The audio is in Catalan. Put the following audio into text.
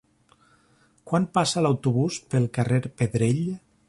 Quan passa l'autobús pel carrer Pedrell?